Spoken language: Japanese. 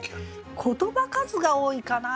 言葉数が多いかな